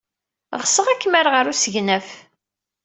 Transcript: Ɣseɣ ad kem-rreɣ ɣer usegnaf.